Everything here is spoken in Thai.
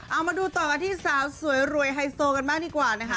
เอามาดูต่อกันที่สาวสวยรวยไฮโซกันบ้างดีกว่านะคะ